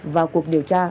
vào cuộc điều tra